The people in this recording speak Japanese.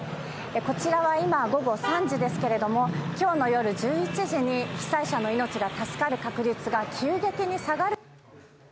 こちらは今午後３時ですけれども今日の夜１１時に被災者の命が助かる確率が急激に下がる。